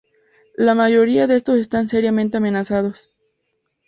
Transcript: La mayoría de estos están seriamente amenazados.